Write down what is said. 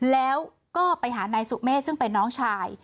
แล้วก็ไปหานายสุเมฆซึ่งเป็นน้องชาย